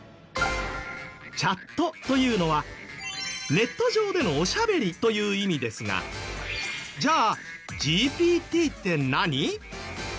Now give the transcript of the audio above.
チャットというのはネット上での「おしゃべり」という意味ですがじゃあＧＰＴって何？